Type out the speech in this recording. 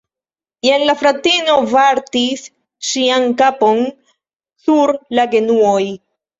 Jen la fratino vartis ŝian kapon sur la genuoj.